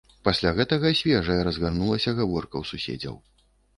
Пасля гэтага свежая разгарнулася гаворка ў суседзяў.